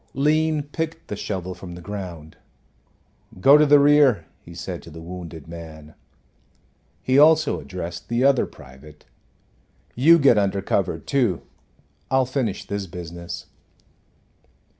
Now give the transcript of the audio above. Lean picked the shovel from the ground. "Go to the rear," he said to the wounded man. He also addressed the other private. "You get under cover, too; I'll finish this business."